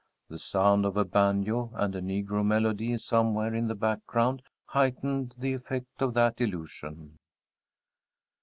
The sound of a banjo and a negro melody somewhere in the background heightened the effect of that illusion.